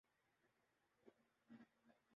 امجد رمضان کی نشریات کا ایک لازمی حصہ بن چکا تھا۔